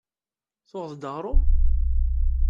Tuɣeḍ-d aɣrum?